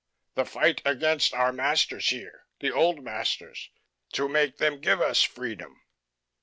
The fight against our masters here, the old masters, to make them give us freedom."